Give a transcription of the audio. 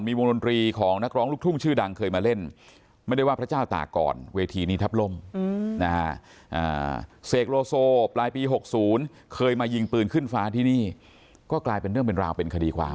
มีวงดนตรีของนักร้องลูกทุ่มชื่อดังเคยมาเล่น